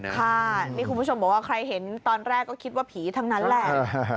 ค่ะนี่คุณผู้ชมบอกว่าใครเห็นตอนแรกก็คิดว่าผีทั้งนั้นแหละ